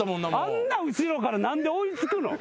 あんな後ろから何で追い付くの？